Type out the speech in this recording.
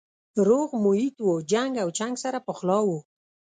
روغ محیط و جنګ او چنګ سره پخلا وو